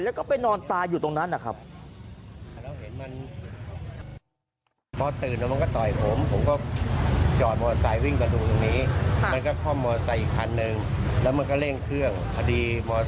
แล้วก็ไปนอนตายอยู่ตรงนั้นนะครับ